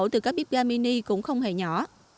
quy cơ cháy nổ từ các bếp ga mini cũng không hề nhỏ